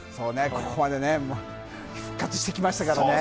ここまで復活してきましたからね。